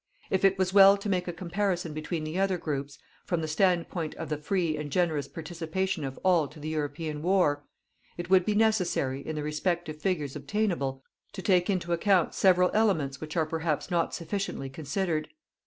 If it was well to make a comparison between the other groups, from the standpoint of the free and generous participation of all to the European war, it would be necessary, in the respective figures obtainable, to take into account several elements which are perhaps not sufficiently considered.